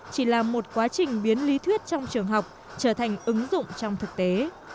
chỉ là một quá trình biến lý thuyết trong trường học trở thành ứng dụng trong thực tế